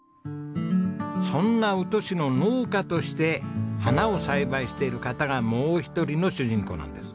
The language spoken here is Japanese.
そんな宇土市の農家として花を栽培している方がもう一人の主人公なんです。